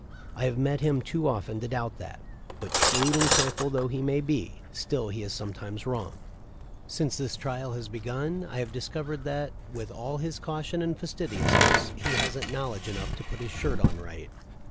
I have met him too often to doubt that ; but shrewd and careful though he be, still he is sometimes wrong. Since this trial has begun I have discovered that, with all his caution and fastidiousness, he hasn't knowl edge enough to put his shirt on right."